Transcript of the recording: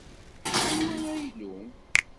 Anwa ara ilumm?